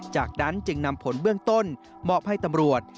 จากนั้นจึงนำผลเบื้องต้นมอบให้ตำรวจ